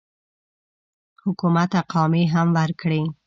حکومت اقامې هم ورکړي.